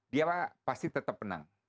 dia pasti tetap menang